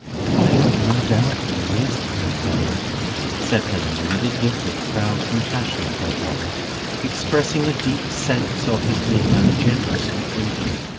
"I have no doubt he is, poor fellow," said Helena, with a look of proud compassion at her brother, expressing a deep sense of his being ungenerously treated.